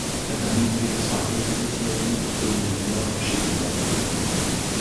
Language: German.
Daneben gibt es weitere Kriterien, nach denen die Länder unterschieden werden können.